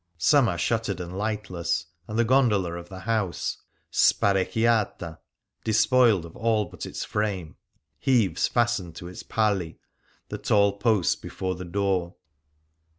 Some are shuttered and light less, and the gondola of the house, sparecchiuta — despoiled of all but its frame — heaves fastened to its pali — the tall posts before the door.